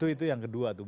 itu yang kedua tuh